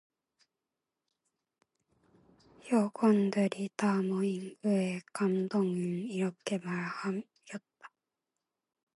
여공들이 다 모인 후에 감독은 이렇게 말하였다.